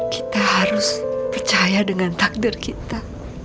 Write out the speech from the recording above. kita harus percaya dengan takdir kita